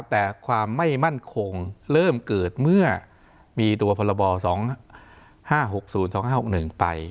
แต่ความไม่มั่นคงเริ่มเกิดเมื่อมีตัวพรบ๒๕๖๐๒๕๖๑ไป